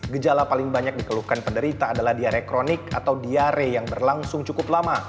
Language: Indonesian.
gejala paling banyak dikeluhkan penderita adalah diare kronik atau diare yang berlangsung cukup lama